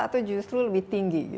atau justru lebih tinggi